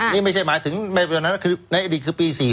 นี่ไม่ใช่หมายถึงในอดีตคือปี๔๖